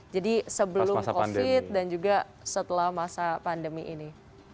jadi sebelum covid dan juga setelah masa pandemi ini